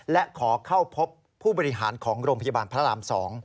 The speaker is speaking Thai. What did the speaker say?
และขอเข้าพบผู้บริหารของโรงพยาบาลพระราม๒